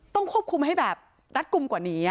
ต้องควบคุมให้แบบรัดกลุ่มกว่านี้